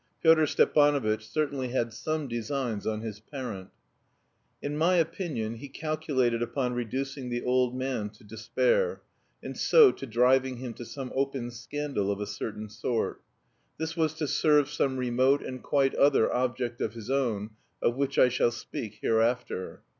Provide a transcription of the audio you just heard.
Pyotr Stepanovitch certainly had some designs on his parent. In my opinion he calculated upon reducing the old man to despair, and so to driving him to some open scandal of a certain sort. This was to serve some remote and quite other object of his own, of which I shall speak hereafter.